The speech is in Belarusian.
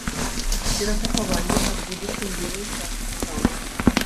Перапахаванне адбудзецца ў левай частцы храма.